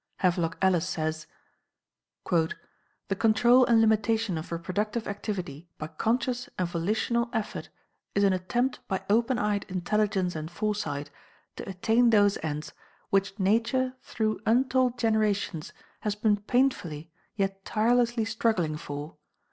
Havelock Ellis says: "The control and limitation of reproductive activity by conscious and volitional effort is an attempt by open eyed intelligence and foresight to attain those ends which Nature through untold generations has been painfully yet tirelessly struggling for.